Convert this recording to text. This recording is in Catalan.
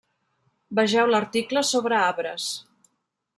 Vegeu l'article sobre arbres.